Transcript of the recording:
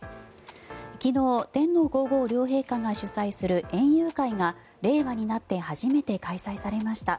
昨日天皇・皇后両陛下が主催する園遊会が令和になって初めて開催されました。